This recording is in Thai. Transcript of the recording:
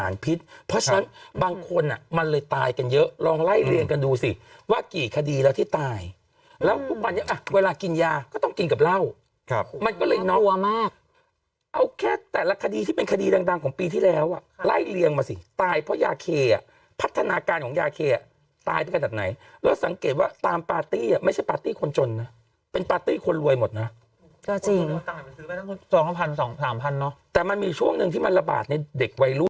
แล้วทุกวันนี้เวลากินยาก็ต้องกินกับเหล้ามันก็เลยเนาะเอาแค่แต่ละคดีที่เป็นคดีดังของปีที่แล้วอะไล่เลียงมาสิตายเพราะยาเคอะพัฒนาการของยาเคอะตายตั้งแต่ดับไหนแล้วสังเกตว่าตามปาร์ตี้ไม่ใช่ปาร์ตี้คนจนนะเป็นปาร์ตี้คนรวยหมดนะแต่มันมีช่วงนึงที่มันระบาดในเด็กวัยรุ่น